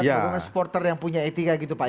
hubungan supporter yang punya etika gitu pak ya